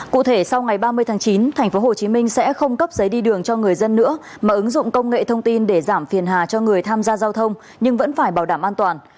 cụ thể sau ngày ba mươi tháng chín tp hcm sẽ không cấp giấy đi đường cho người dân nữa mà ứng dụng công nghệ thông tin để giảm phiền hà cho người tham gia giao thông nhưng vẫn phải bảo đảm an toàn